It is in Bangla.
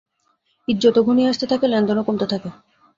ঈদ যত ঘনিয়ে আসতে থাকে, লেনদেনও কমতে থাকে।